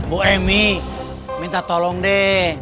bu emy minta tolong deh